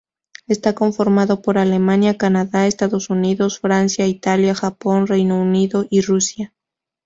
Está conformado por Alemania, Canadá, Estados Unidos, Francia, Italia, Japón, Reino Unido y Rusia.